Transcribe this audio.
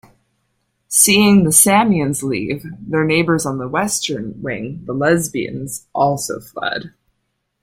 Seeing the Samians leave, their neighbours on the western wing, the Lesbians, also fled.